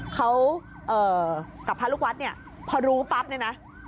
เขากับพระรุกวัดพอรู้ปั๊บเนี่ยนะ